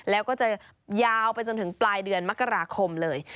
แล้วก็จะยาวไปจนถึงปลายเดือนมกราคมเลย